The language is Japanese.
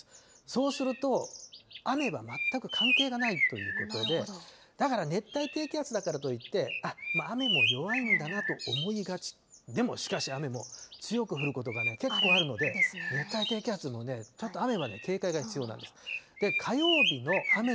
そうすると、雨は全く関係がないということで、だから、熱帯低気圧だからといってあっ、雨も弱いんだなと思いがち、でもしかし、雨も強く降ることが結構あるので、熱帯低気圧も、ちょっと雨はね、警戒は必要なんです。